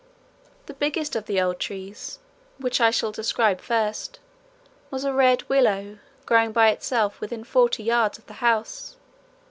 The biggest of the old trees, which I shall describe first, was a red willow growing by itself within forty yards of the house.